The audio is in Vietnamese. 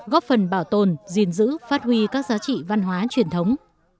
góp phần bảo tồn gìn giữ phát huy các giá trị văn hóa truyền thống